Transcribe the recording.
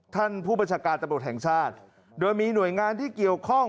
ท่านผู้บัญชาการตำรวจแห่งชาติโดยมีหน่วยงานที่เกี่ยวข้อง